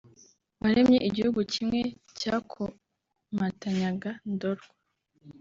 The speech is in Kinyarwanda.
waremye igihugu kimwe cyakomatanyaga Ndorwa